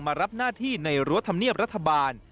รับหน้าที่ในรั้วธรรมเนียบรัฐบาล